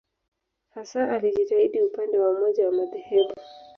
Hasa alijitahidi upande wa umoja wa madhehebu.